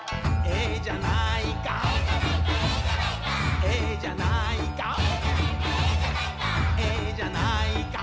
「ええじゃないかえじゃないか」